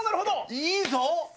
いいぞ！